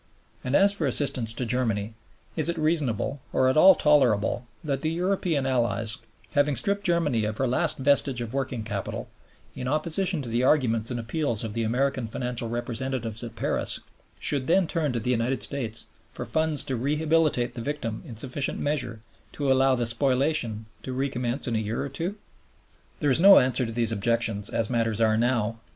And as for assistance to Germany, is it reasonable or at all tolerable that the European Allies, having stripped Germany of her last vestige of working capital, in opposition to the arguments and appeals of the American financial representatives at Paris, should then turn to the United States for funds to rehabilitate the victim in sufficient measure to allow the spoliation to recommence in a year or two? There is no answer to these objections as matters are now.